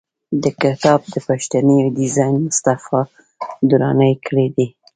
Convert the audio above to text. د کتاب د پښتۍ ډیزاین مصطفی دراني کړی دی.